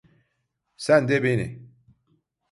Sen de beni.